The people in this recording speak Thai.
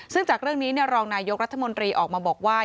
ซึ่งจากเรื่องนี้รองนายกรัฐมนตรีออกมาบอกว่า